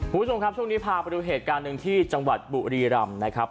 คุณผู้ชมครับช่วงนี้พาไปดูเหตุการณ์หนึ่งที่จังหวัดบุรีรำนะครับ